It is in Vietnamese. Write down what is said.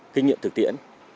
kinh nghiệm thực tiễn